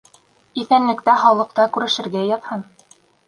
— Иҫәнлек-һаулыҡта күрешергә яҙһын.